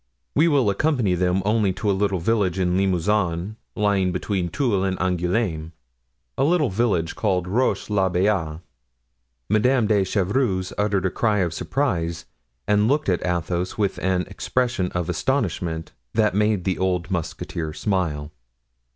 We will accompany them only to a little village in Limousin, lying between Tulle and Angouleme—a little village called Roche l'Abeille." Madame de Chevreuse uttered a cry of surprise, and looked at Athos with an expression of astonishment that made the old musketeer smile.